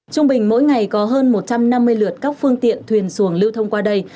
trung bình mỗi ngày có hơn một trăm năm mươi lượt các phương tiện thuyền xuồng lưu thông qua đây